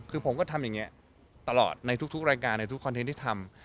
คือผมก็ทำอย่างนี้ตลอดในทุกรายการในทุกคอนเทนต์ที่ทำ